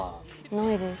ないです。